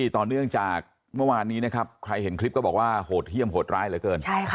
ต่อเนื่องจากเมื่อวานนี้นะครับใครเห็นคลิปก็บอกว่าโหดเยี่ยมโหดร้ายเหลือเกิน